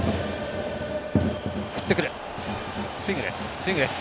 スイングです。